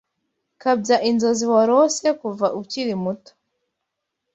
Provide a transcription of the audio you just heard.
Kabya inzozi warose kuva ukiri muto